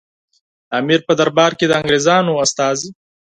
د امیر په دربار کې د انګریزانو استازي.